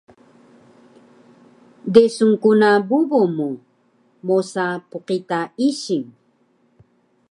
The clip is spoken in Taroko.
Desun ku na bubu mu mosa pqita ising